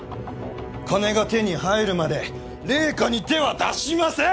金が手に入るまで零花に手は出しません！